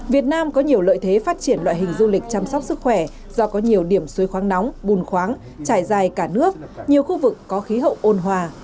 việt nam có nhiều lợi thế phát triển loại hình du lịch chăm sóc sức khỏe do có nhiều điểm suối khoáng nóng bùn khoáng trải dài cả nước nhiều khu vực có khí hậu ôn hòa